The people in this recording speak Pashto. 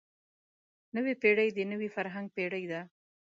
نوې پېړۍ د نوي فرهنګ پېړۍ ده.